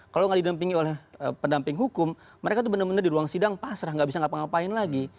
kalau nggak didampingi oleh pendamping hukum mereka itu benar benar di ruang sidang pasrah nggak bisa ngapa ngapain lagi